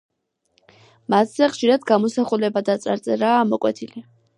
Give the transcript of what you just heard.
მათზე ხშირად გამოსახულება და წარწერაა ამოკვეთილი.